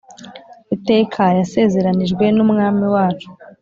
iteka yasezeranijwe n'Umwami wacu.